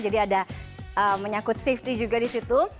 jadi ada menyangkut safety juga di situ